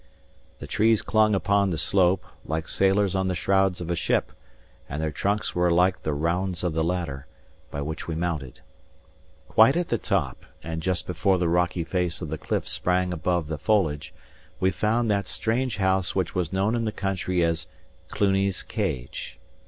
The trees clung upon the slope, like sailors on the shrouds of a ship, and their trunks were like the rounds of a ladder, by which we mounted. Quite at the top, and just before the rocky face of the cliff sprang above the foliage, we found that strange house which was known in the country as "Cluny's Cage."